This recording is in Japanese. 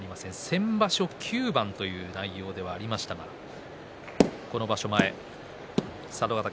先場所９番という内容ではありましたがこの場所前、佐渡ヶ嶽